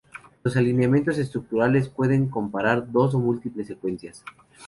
Los alineamientos estructurales pueden comparar dos o múltiples secuencias.